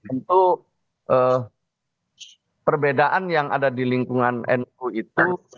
tentu perbedaan yang ada di lingkungan nu itu